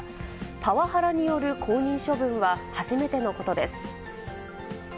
パワハラによる降任処分は初めてのことです。